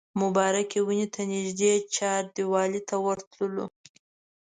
مبارکې ونې ته نږدې چاردیوالۍ ته ورتللو.